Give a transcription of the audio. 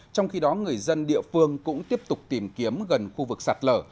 trong khi đó người dân địa phương cũng tiếp tục tìm kiếm gần khu vực sạt lở